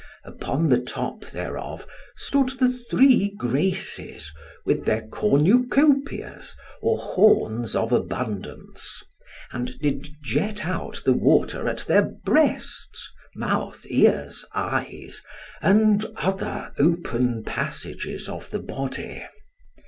Upon the top thereof stood the three Graces, with their cornucopias, or horns of abundance, and did jet out the water at their breasts, mouth, ears, eyes, and other open passages of the body.